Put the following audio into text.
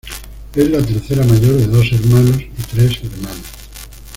Es la tercera mayor de dos hermanos y tres hermanas.